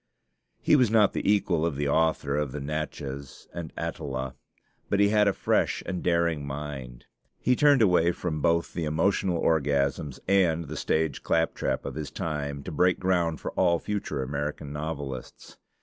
He was not the equal of the author of 'The Natchez' and 'Atala'; but he had a fresh and daring mind. He turned away from both the emotional orgasms and the stage claptrap of his time, to break ground for all future American novelists.